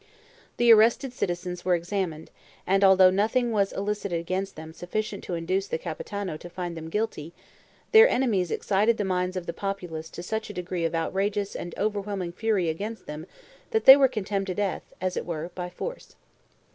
The arrested citizens were examined, and although nothing was elicited against them sufficient to induce the Capitano to find them guilty, their enemies excited the minds of the populace to such a degree of outrageous and overwhelming fury against them, that they were condemned to death, as it were, by force.